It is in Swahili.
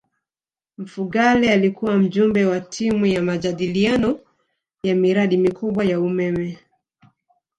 mfugale alikuwa mjumbe wa timu ya majadiliano ya miradi mikubwa ya umeme